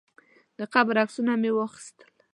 د قبر عکسونه مې واخیستل.